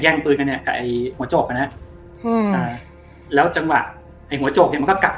ปืนกันเนี่ยกับไอ้หัวโจกนะฮะอืมอ่าแล้วจังหวะไอ้หัวโจกเนี่ยมันก็กัด